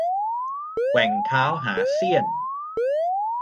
แกว่งเท้าหาเสี้ยน